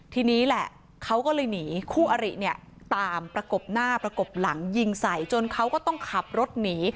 ทีนี้แหละเขาก็เลยหนีคู่อริเนี่ยตามประกบหน้าประกบหลังยิงใส่จนเขาก็ต้องขับรถหนี